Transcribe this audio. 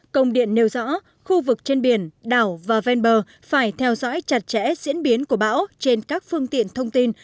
công điện nêu rõ khu vực trên biển đảo và ven bờ phải theo dõi chặt chẽ diễn biến của bão trên các phương tiện thông tin